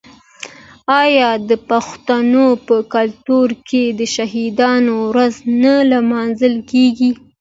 آیا د پښتنو په کلتور کې د شهیدانو ورځ نه لمانځل کیږي؟